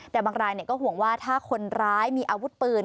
แต่บางรายก็ห่วงว่าถ้าคนร้ายมีอาวุธปืน